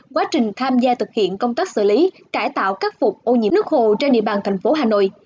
quá trình tham gia thực hiện công tác xử lý cải tạo khắc phục ô nhiễm nước hồ trên địa bàn thành phố hà nội